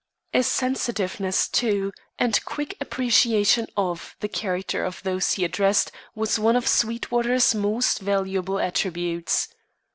A sensitiveness to, and quick appreciation of, the character of those he addressed was one of Sweetwater's most valuable attributes.